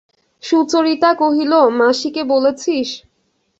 সুচরিতা কহিল, মাসিকে বলেছিস?